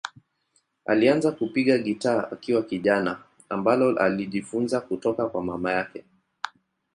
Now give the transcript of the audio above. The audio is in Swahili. Alianza kupiga gitaa akiwa kijana, ambalo alijifunza kutoka kwa mama yake.